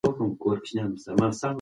اهل الذمه کافرانو ته ويل کيږي.